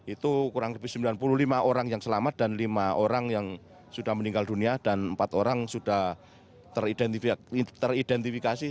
itu kurang lebih sembilan puluh lima orang yang selamat dan lima orang yang sudah meninggal dunia dan empat orang sudah teridentifikasi